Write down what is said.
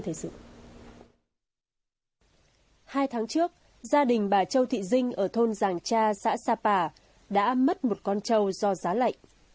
hai tháng trước gia đình bà châu thị dinh ở thôn giàng tra xã sa pà đã mất một con châu do giá lạnh